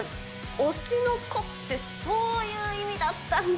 推しの子って、そういう意味だったんだ！